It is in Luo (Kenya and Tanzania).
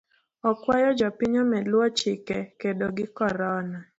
Okuayo jopiny omed luo chike kedo gi korona.